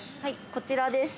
◆こちらです。